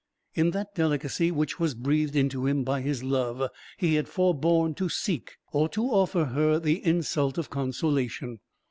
In that delicacy which was breathed into him by his love, he had forborne to seek, or to offer her the insult of consolation.